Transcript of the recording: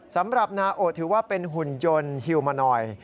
สำหรับนาโอถือว่าเป็นหุ่นยนต์ฮิลมานอย